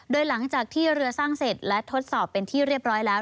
โดยหลังจากที่เรือสร้างเสร็จและทดสอบเป็นที่เรียบร้อยแล้ว